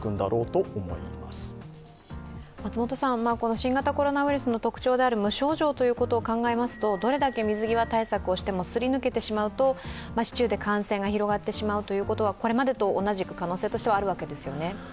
新型コロナウイルスの特徴であると無症状ということを考えますとどれだけ水際対策をしてもすり抜けてしまうと市中で感染が広がってしまうということはこれまでと同じく、可能性としてはあるわけですよね？